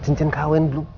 cincin kawin belum